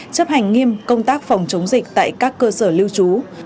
chấp hành nghiêm công tác phòng chống dịch tại các cơ sở lưu trú